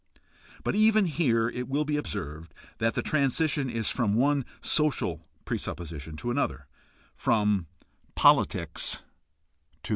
But even here it will be observed that the transition is from one social presupposition to another— from politics to paternity.